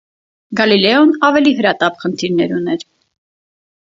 Գալիլեոն ավելի հրատապ խնդիրներ ուներ։